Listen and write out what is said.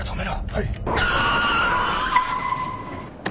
はい。